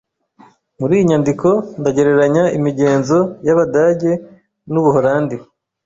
Muri iyi nyandiko, ndagereranya imigenzo yabadage nu Buholandi.